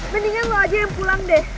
mendingan loh aja yang pulang deh